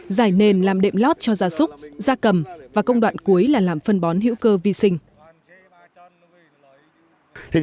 giải nền làm đệm lót cho gia súc gia cầm và công đoạn cuối là làm phân bón hữu cơ vi sinh